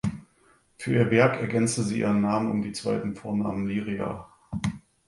Für ihr Werk ergänzte sie ihren Namen um die zweiten Vornamen "Liria".